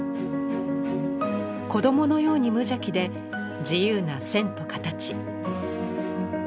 子どものように無邪気で自由な線と形。